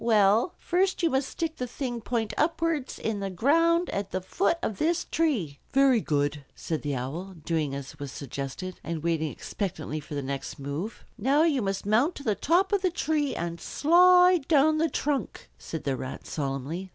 "Well, first you must stick the thing point upwards in the ground at the foot of this tree." "Very good," said the Owl, doing as was suggested, and waiting expectantly for the next move. "Now you must mount to the top of the tree and slide down the trunk," said the Rat solemnly.